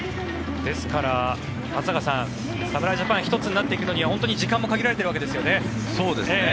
ですから松坂さん、侍ジャパン一つになっていくのに本当に時間も限られているわけですよね。